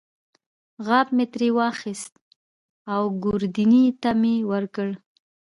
غاب مې ترې واخیست او ګوردیني ته مې ورکړ.